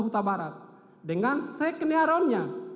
huta barat dengan sekeniarannya